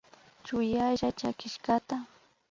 Chuyalla chakishkata